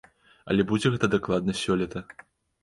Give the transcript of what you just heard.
Але будзе гэта дакладна сёлета.